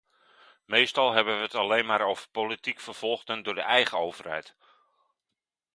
Meestal hebben we het alleen maar over politiek vervolgden door de eigen overheid.